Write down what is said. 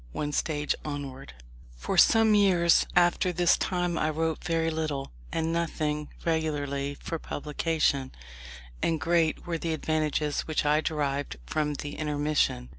ONE STAGE ONWARD For some years after this time I wrote very little, and nothing regularly, for publication: and great were the advantages which I derived from the intermission.